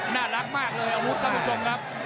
น่ารักมากเลยอาวุธครับคุณผู้ชมครับ